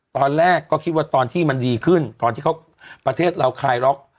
ตอนแรกก็คิดว่าตอนที่มันดีขึ้นตอนที่เขาประเทศเราคลายล็อก